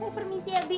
permisi ya bi